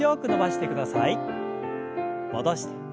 戻して。